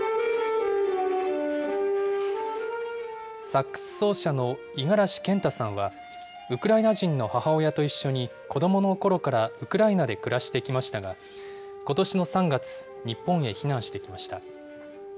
サックス奏者の五十嵐健太さんは、ウクライナ人の母親と一緒に、子どものころからウクライナで暮らしてきましたが、ことしの３月、日本へ避難してきました。